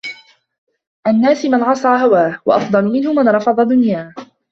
النَّاسِ مَنْ عَصَى هَوَاهُ ، وَأَفْضَلُ مِنْهُ مَنْ رَفَضَ دُنْيَاهُ